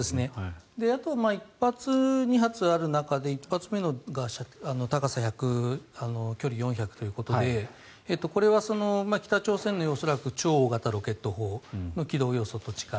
あとは１発、２発ある中で１発が高さ１００距離４００ということでこれは北朝鮮の恐らく超大型ロケット砲の軌道予測と近い。